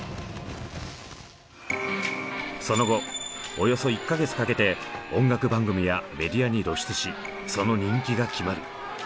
その後およそ１か月かけて音楽番組やメディアに露出しその人気が決まる。